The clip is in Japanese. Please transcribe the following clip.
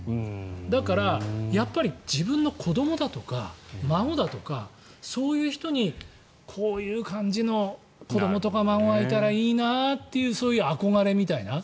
だから、やっぱり自分の子どもだとか孫だとかそういう人にこういう感じの子どもとか孫がいたらいいなっていうそういう憧れみたいな。